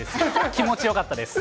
気持ちよかったです。